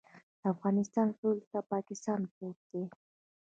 د افغانستان سویل ته پاکستان پروت دی